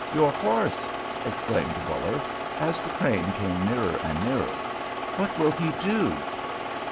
Your horse!" exclaimed Buller, as the train came nearer and nearer. "What will he do?"